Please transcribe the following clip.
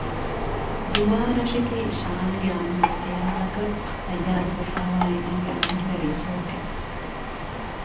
ދުވާރަށަކީ ޝާންގެ އަމިއްލަ ޚިޔާލަކަށް ތައްޔާރުކޮށްފައިވާ އޭނާގެ އަމިއްލަ ރިސޯރޓެއް